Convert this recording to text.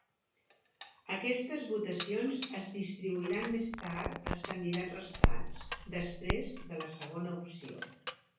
Aquestes votacions es distribuiran més tard als candidats restants, després de la seva segona opció.